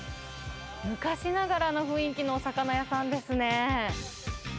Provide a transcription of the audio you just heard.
昔ながらの雰囲気のお魚屋さんですね。